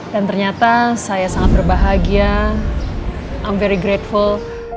dan ternyata saya sangat berbahagia i'm very grateful